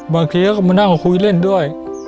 บางครั้งก็มานั่งคุยคุยเล่นด้วย